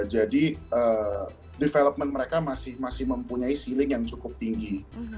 jadi development mereka masih mempunyai ceiling yang cukup tinggi